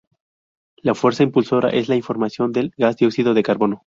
La fuerza impulsora es la formación del gas dióxido de carbono.